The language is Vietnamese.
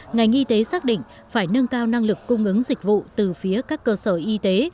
ngành y tế xác định phải nâng cao năng lực cung ứng dịch vụ từ phía các cơ sở y tế